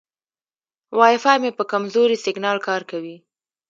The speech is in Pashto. وای فای مې په کمزوري سیګنال کار کوي.